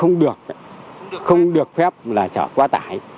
không được không được phép là chở quá tải